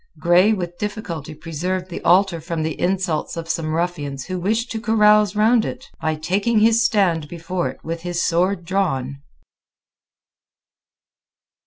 Grey with difficulty preserved the altar from the insults of some ruffians who wished to carouse round it, by taking his stand before it with his sword drawn.